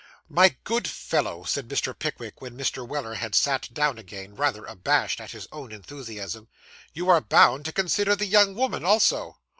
'My good fellow,' said Mr. Pickwick, when Mr. Weller had sat down again, rather abashed at his own enthusiasm, 'you are bound to consider the young woman also.